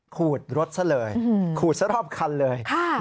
ขูดรถซะเลยขูดซะรอบคันเลย